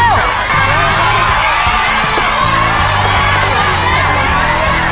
ข้าวที่๗ครับ